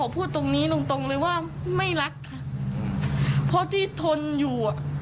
เพราะที่ทนอยู่